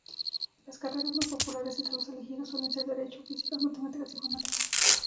Las carreras más populares entre los elegidos suelen ser Derecho, Físicas, Matemáticas e Informática.